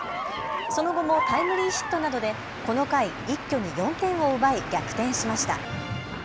その後もタイムリーヒットなどでこの回、一挙に４点を奪い逆転しました。